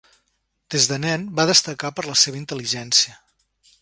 Des de nen, va destacar per la seva intel·ligència.